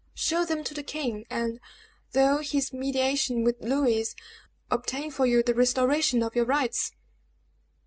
"Show them to the king, and, though his mediation with Louis, obtain for you the restoration of your rights."